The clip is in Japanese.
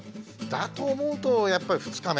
だと思うとやっぱり２日目。